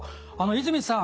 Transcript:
泉さん